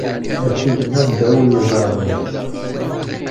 Asigna ddaw yiḍarren-is.